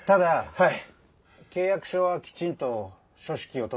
はい。